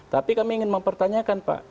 tapi kami ingin mempertanyakan pak